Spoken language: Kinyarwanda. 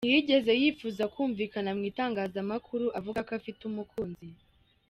Y ntiyigeze yifuza kumvikana mu itangazamakuru avuga ko afite umukunzi.